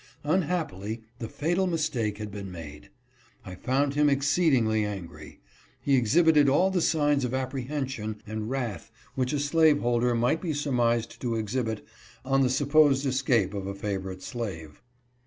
Unhappily the fatal mistake had been made. I found him exceedingly angry. He exhibited all the signs of apprehension and wrath which a slave holder might be surmised to exhibit on the supposed escape of a favorite slave.